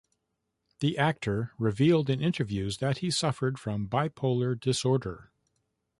The actor revealed in interviews, that he suffered from bipolar disorder.